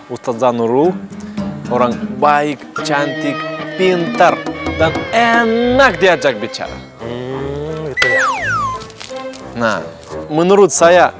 ustadzah nurrul orang baik cantik pintar dan enak diajak bicara nah menurut saya